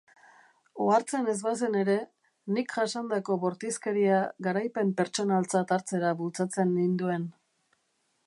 Ohartzen ez bazen ere, nik jasandako bortizkeria garaipen pertsonaltzat hartzera bultzatzen ninduen.